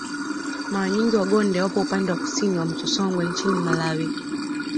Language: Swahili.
Mara nyingi Wagonde wapo upande wa kusini wa mto Songwe nchini Malawi